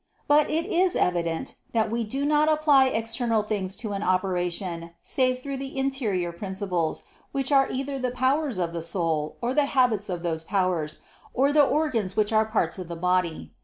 But it is evident that we do not apply external things to an operation save through the interior principles which are either the powers of the soul, or the habits of those powers, or the organs which are parts of the body.